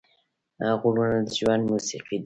غږونه د ژوند موسیقي ده